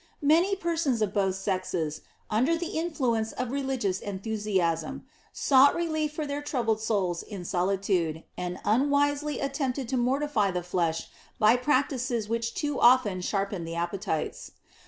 Many persons of both sexes, under the influence of religious enthusiasm, sought relief for their troubled souls in solitude, and unwisely attempted to mortify the flesh by practices which too often sharpened the appetites.